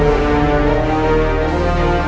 sudah pada waktu mabuk derek